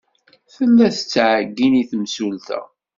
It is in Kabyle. Tella tettɛeyyin i temsulta.